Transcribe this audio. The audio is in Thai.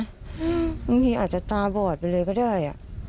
บางทีอาจจะตาบอดไปเลยก็ได้